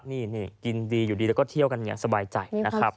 นี่กินดีอยู่ดีแล้วก็เที่ยวกันอย่างสบายใจนะครับ